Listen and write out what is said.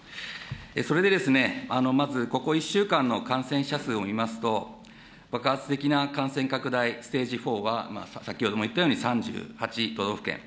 それでまず、ここ１週間の感染者数を見ますと、爆発的な感染拡大ステージ４は、先ほども言ったように３８都道府県。